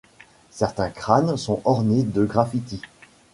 Certains crânes sont ornés de graffitis.